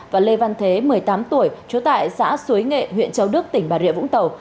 và lê văn thế một mươi tám tuổi trú tại xã suối nghệ huyện châu đức tỉnh bà rịa vũng tàu